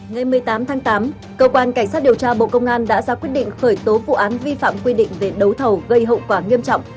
ngày một mươi tám tháng tám cơ quan cảnh sát điều tra bộ công an đã ra quyết định khởi tố vụ án vi phạm quy định về đấu thầu gây hậu quả nghiêm trọng